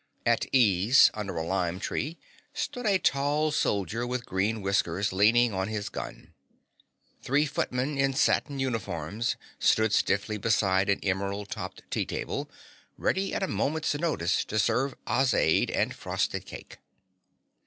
At ease under a lime tree stood a tall soldier with green whiskers leaning on his gun. Three footmen in satin uniforms stood stiffly beside an emerald topped tea table, ready at a moment's notice to serve Ozade and frosted cake.